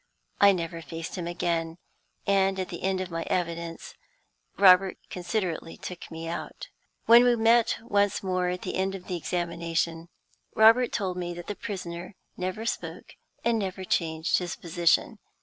I never faced him again; and, at the end of my evidence, Robert considerately took me out. When we met once more at the end of the examination, Robert told me that the prisoner never spoke and never changed his position.